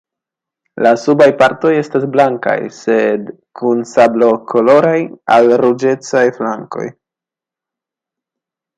La subaj partoj estas blankaj, sed kun sablokoloraj al ruĝecaj flankoj.